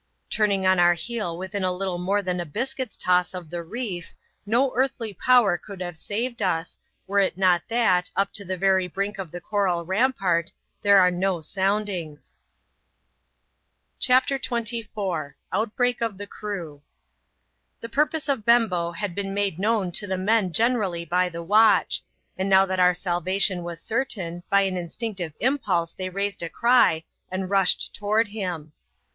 Turning on our heel within little more than a biscuit's toss of the reef, no earthly power could have saved us, were it not thsl^ vp to the very brink of the coral ram^tarl) 1iNi<^i^ ^^ "sx^ annn/Jtmna. 92 ADVENTURES IN THE SOUTH SEAS. [ctap. xxnr. CHAPTER XXIV. Outbreak of the crew. The purpose of Bembo bad been made known to tbe men generally by the watch ; and now that our salvation was certain, by an instinctive impulse they raised a cry, and rushed toward him.